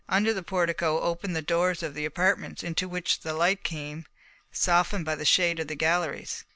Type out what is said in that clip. Under the portico opened the doors of the apartments, into which the light came softened by the shade of the galleries.